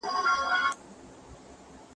ښه انگور چغال خوري.